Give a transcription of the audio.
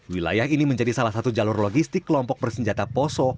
wilayah ini menjadi salah satu jalur logistik kelompok bersenjata poso